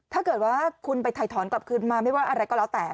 ถ้าเกิดว่าคุณไปไถธรรมกลับกลางมาไม่ว่าอะไรก็แล้วแต่